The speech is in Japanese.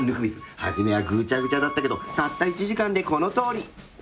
初めはぐちゃぐちゃだったけどたった１時間でこのとおり。